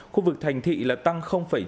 khu vực thành thị tăng chín mươi tám